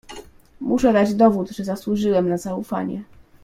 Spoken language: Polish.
"Muszę dać dowód, że zasłużyłem na zaufanie."